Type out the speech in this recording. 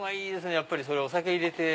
やっぱりお酒入れて。